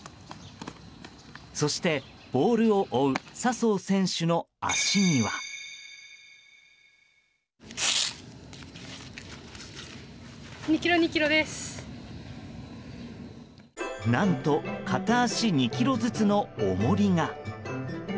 そしてボールを追う笹生選手の足には。何と片足２ｋｇずつの重りが。